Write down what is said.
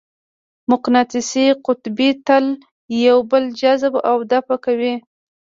مقناطیسي قطبین تل یو بل جذب او دفع کوي.